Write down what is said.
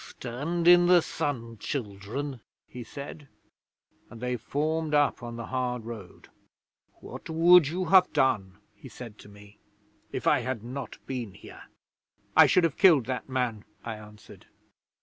'"Stand in the sun, children," he said, and they formed up on the hard road. '"What would you have done," he said to me, "if I had not been here?" '"I should have killed that man," I answered.